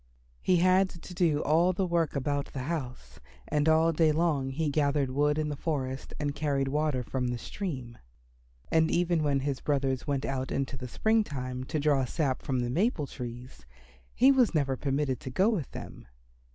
He had to do all the work about the house, and all day long he gathered wood in the forest and carried water from the stream. And even when his brothers went out in the spring time to draw sap from the maple trees he was never permitted to go with them.